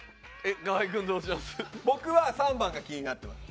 僕は３番が気になってます